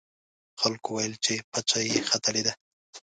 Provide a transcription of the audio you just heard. خلکو ویل چې پچه یې ختلې ده.